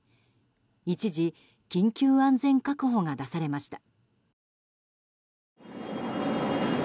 一時、緊急安全確保が出されました。